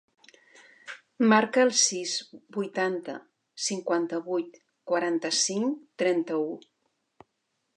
Marca el sis, vuitanta, cinquanta-vuit, quaranta-cinc, trenta-u.